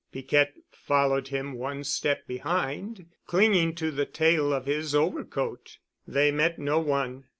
Piquette followed him one step behind, clinging to the tail of his overcoat. They met no one.